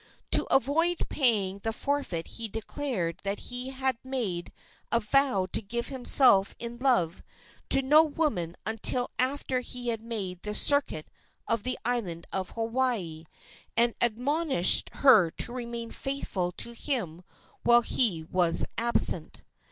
To avoid paying the forfeit he declared that he had made a vow to give himself in love to no woman until after he had made the circuit of the island of Hawaii, and admonished her to remain faithful to him while he was absent.